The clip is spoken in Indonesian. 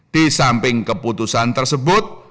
di samping keputusan tersebut